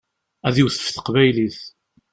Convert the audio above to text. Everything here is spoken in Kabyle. Ad iwet ɣef teqbaylit.